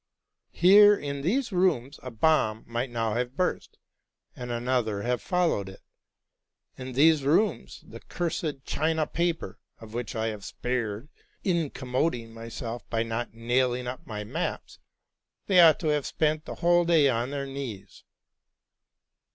Here, in these rooms, a bomb might now have burst, and another have followed it ;— in these rooms, the cursed China paper of which I have spared, in commoding myself by not nailing up my maps! They ought to have spent the whole day on their knees."